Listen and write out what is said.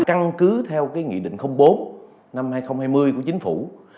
căn cứ theo nghị định bốn năm hai nghìn hai mươi của chính phủ